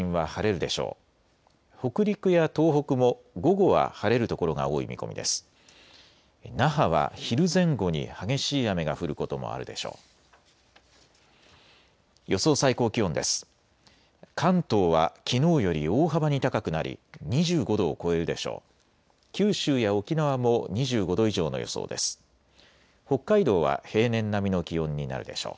関東はきのうより大幅に高くなり２５度を超えるでしょう。